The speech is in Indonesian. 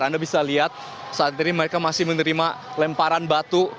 anda bisa lihat saat ini mereka masih menerima lemparan batu